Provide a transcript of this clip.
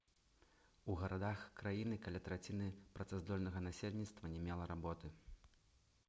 У гарадах краіны каля траціны працаздольнага насельніцтва не мела работы.